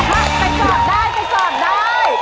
ไปสอดได้ไปสอดได้